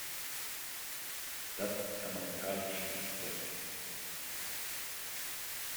Das ist grammatikalisch nicht korrekt.